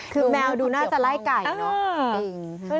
คือแมวดูน่าจะไล่ไก่เนอะ